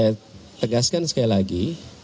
saya tegaskan sekali lagi